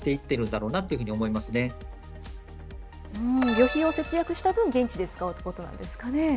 旅費を節約した分、現地で使うということなんですかね。